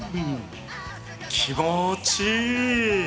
気持ちいい！